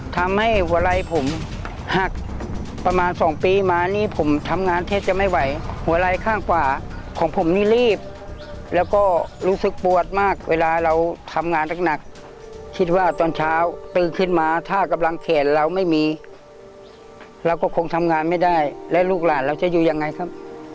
ทำให้หัวไรผมหักประมาณสองปีมานี่ผมทำงานแทบจะไม่ไหวหัวไรข้างขวาของผมนี่รีบแล้วก็รู้สึกปวดมากเวลาเราทำงานหนักคิดว่าตอนเช้าตื่นขึ้นมาถ้ากำลังแขนเราไม่มีเราก็คงทำงานไม่ได้และลูกหลานเราจะอยู่ยังไงครับ